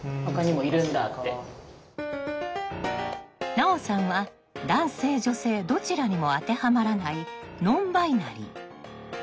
菜央さんは男性女性どちらにも当てはまらないノンバイナリー。